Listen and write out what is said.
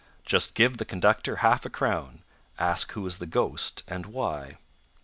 Just give the conductor half a crown, Ask who is the ghost and why.